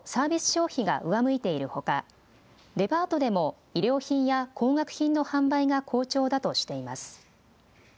消費が上向いているほかデパートでも衣料品や高額品の販売が好調だとしています。